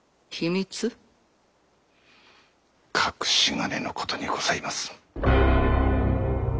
隠し金のことにございます。